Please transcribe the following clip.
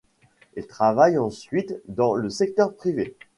Il travaille ensuite dans le secteur privé.